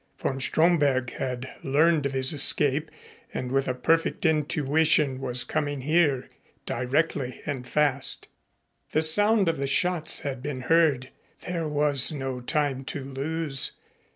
Von Stromberg had learned of his escape and with a perfect intuition was coming here directly and fast. The sound of the shots had been heard. There was no time to lose.